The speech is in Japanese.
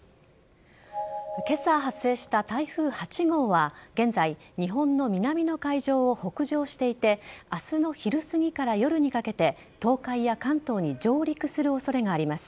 今朝発生した台風８号は現在日本の南の海上を北上していて明日の昼すぎから夜にかけて東海や関東に上陸する恐れがあります。